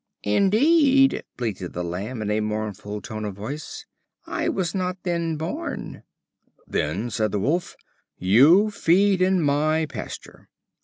"Indeed," bleated the Lamb in a mournful tone of voice, "I was not then born." Then said the Wolf: "You feed in my pasture."